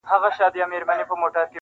پټ دي له رویبار څخه اخیستي سلامونه دي--!